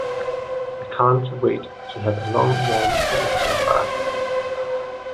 I can't wait to have a long warm, relaxing bath.